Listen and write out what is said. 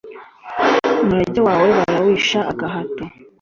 umurage wawe barawisha agahato